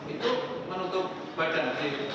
itu menutup badan